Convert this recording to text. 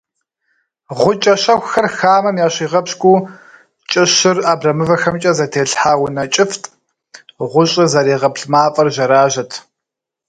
Гъукӏэ щэхухэр хамэм ящигъэпщкӏуу кӏыщыр абрэмывэхэмкӏэ зэтелъхьа унэ кӏыфӏт, гъущӏыр зэригъэплъ мафӏэр жьэражьэт.